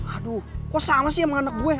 aduh kok sama sih sama anak gue yang